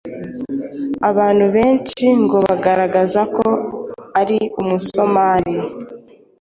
Abantu benshi ngo bagaragazaga ko ari Umusomali